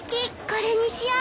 これにしよう。